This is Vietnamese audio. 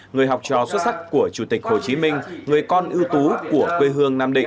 người học trò xuất sắc của chủ tịch hồ chí minh người con ưu tú của quê hương nam định